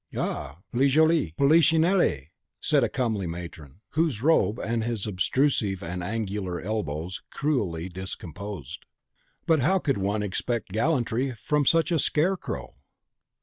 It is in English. "Aha, le joli Polichinelle!" said a comely matron, whose robe his obtrusive and angular elbows cruelly discomposed. "But how could one expect gallantry from such a scarecrow!"